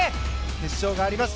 決勝があります。